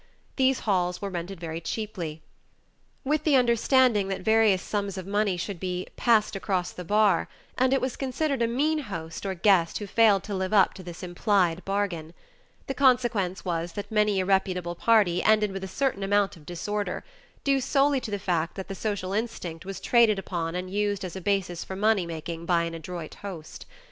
These halls were rented very cheaply with the understanding that various sums of money should be "passed across the bar," and it was considered a mean host or guest who failed to live up to this implied bargain. The consequence was that many a reputable party ended with a certain amount of disorder, due solely to the fact that the social instinct was traded upon and used as a basis for money making by an adroit host.